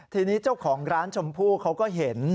ทีนี้เจ้าของร้านชมพู่เขาก็เห็น